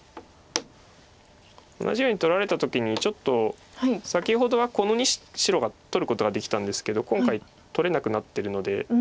同じように取られた時にちょっと先ほどはこの２子白が取ることができたんですけど今回取れなくなってるので。